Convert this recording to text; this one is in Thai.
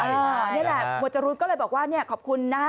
นี่แหละหมวดจรูนก็เลยบอกว่าเนี่ยขอบคุณนะ